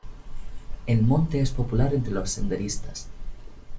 El monte es popular entre los senderistas.